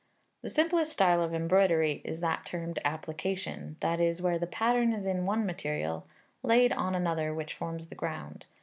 The simplest style of embroidery is that termed Application, that is, where the pattern is in one material, laid on another which forms the ground.